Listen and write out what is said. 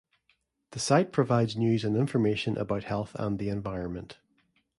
The site provides news and information about health and the environment.